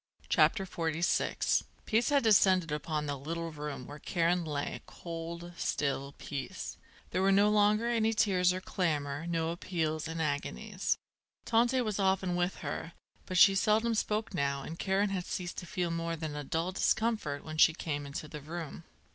CHAPTER XLVI Peace had descended upon the little room where Karen lay, cold, still peace. There were no longer any tears or clamour, no appeals and agonies. Tante was often with her; but she seldom spoke now and Karen had ceased to feel more than a dull discomfort when she came into the room.